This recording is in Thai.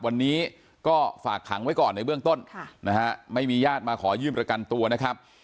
วันนี้ก็ฝากขังไว้ก่อนในเบื้องต้นนะฮะไม่มีญาติมาขอยื่นประกันตัวนะครับ